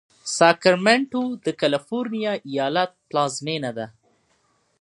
ساکرمنټو د کالفرنیا ایالت پلازمېنه ده.